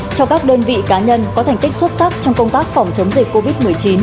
cho các đơn vị cá nhân có thành tích xuất sắc trong công tác phòng chống dịch covid một mươi chín